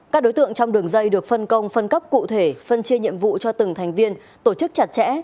các đối tượng trong đường dây được phân công phân cấp cụ thể phân chia nhiệm vụ cho từng thành viên tổ chức chặt chẽ